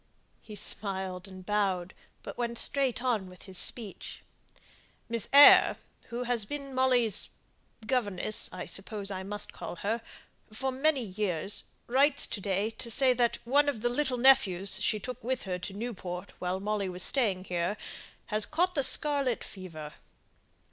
He smiled and bowed, but went straight on with his speech. "Miss Eyre, who has been Molly's governess, I suppose I must call her for many years, writes to day to say that one of the little nephews she took with her to Newport while Molly was staying here, has caught the scarlet fever."